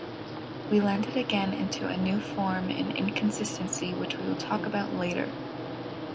We landed again into a new form in inconsistency which we will talk about later.